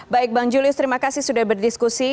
baik bang julius terima kasih sudah berdiskusi